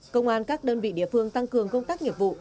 công an các đơn vị địa phương tăng cường công tác nghiệp vụ